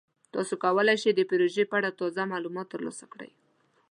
تاسو کولی شئ د پروژې په اړه تازه معلومات ترلاسه کړئ.